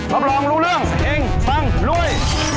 รับรองรู้เรื่องเฮงปังรวย